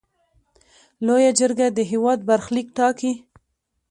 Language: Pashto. لویه جرګه د هیواد برخلیک ټاکي.